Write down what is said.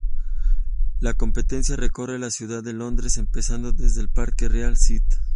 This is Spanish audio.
La competencia recorre la ciudad de Londres, empezando desde el parque real St.